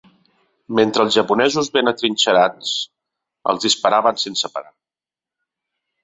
Mentre els japonesos ben atrinxerats els disparaven sense parar.